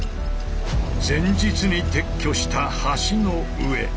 前日に撤去した橋の上。